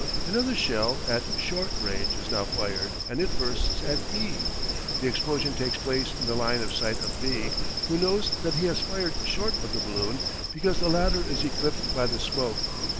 Another shell, at "short" range, is now fired, and it bursts at E. The explosion takes place in the line of sight of B, who knows that he has fired short of the balloon because the latter is eclipsed by the smoke.